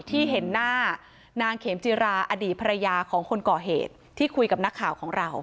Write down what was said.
ที่เห็นหน้านางเขมจิราอดีตภรรยาของคนก่อเหตุที่คุยกับนักข่าวของเรา